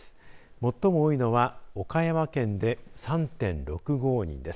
最も多いのは岡山県で３．６５人です。